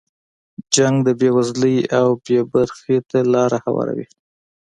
جنګ د بې وزلۍ او بې برخې ته لاره هواروي.